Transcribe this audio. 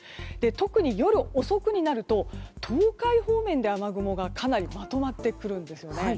特に夜遅くになると東海方面で雨雲がかなりまとまってくるんですよね。